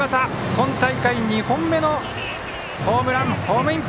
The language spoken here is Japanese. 今大会、２本目のホームランホームイン！